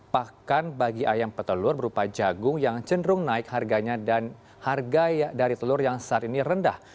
pakan bagi ayam petelur berupa jagung yang cenderung naik harganya dan harga dari telur yang saat ini rendah